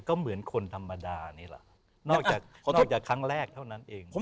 ก็เหมือนคนธรรมดานี่แหละนอกจากเขานอกจากครั้งแรกเท่านั้นเอง